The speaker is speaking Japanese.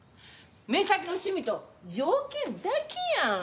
目先の趣味と条件だけやん。